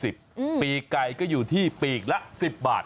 ปีกไก่ก็อยู่ที่ปีกละ๑๐บาท